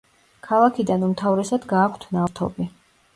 ქალაქიდან უმთავრესად გააქვთ ნავთობი.